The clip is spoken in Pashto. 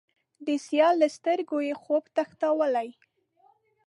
د سیال له سترګو یې، خوب تښتولی